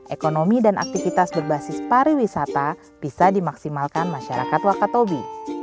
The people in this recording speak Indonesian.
ekonomi dan aktivitas berbasis pariwisata bisa dimaksimalkan masyarakat wakatobi